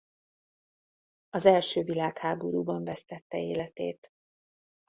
Az első világháborúban vesztette életét.